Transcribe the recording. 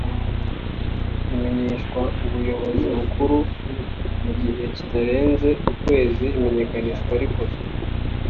rimenyeshwa Ubuyobozi Bukuru mu gihe kitarenze ukwezi imenyekanisha rikozwe